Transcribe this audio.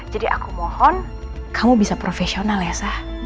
jadi aku mohon kamu bisa profesional ya sah